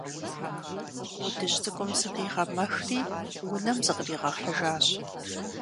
Удыжь цӀыкӀум зыкъигъэмэхри унэм зыкъригъэхьыжащ.